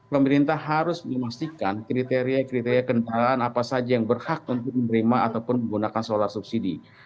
pemerintah harus memastikan kriteria kriteria kendaraan apa saja yang berhak untuk menerima ataupun menggunakan solar subsidi